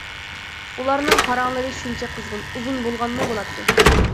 ئۇلارنىڭ پاراڭلىرى شۇنچە قىزغىن، ئۇزۇن بولغانمۇ بولاتتى.